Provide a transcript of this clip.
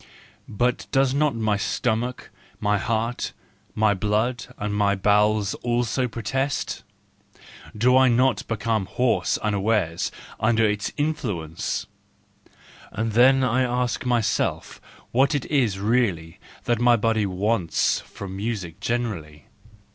But do not my stomach, my heart, my blood and my bowels also protest ? Do I not become hoarse unawares under its influence ? And then I ask myself what it is really that my body wants from music generally.